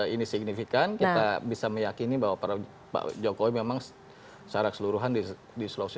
ini signifikan kita bisa meyakini bahwa pak jokowi memang secara keseluruhan di sulawesi